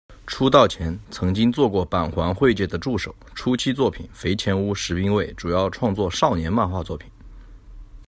出道前，曾经做过板垣惠介的助手、初期作品『肥前屋十兵卫』主要创作少年漫画作品。